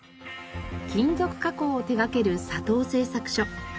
金属加工を手がける佐藤製作所。